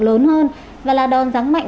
lớn hơn và là đòn rắn mạnh